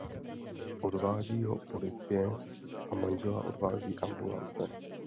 Odvádí ho policie a manžela odváží ambulance.